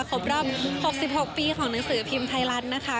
ครบรอบ๖๖ปีของหนังสือพิมพ์ไทยรัฐนะคะ